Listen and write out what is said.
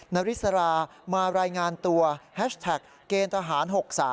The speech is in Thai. นาริสรามารายงานตัวแฮชแท็กเกณฑ์ทหาร๖๓